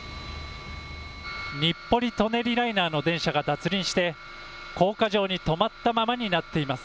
日暮里・舎人ライナーの電車が脱輪して、高架上に止まったままになっています。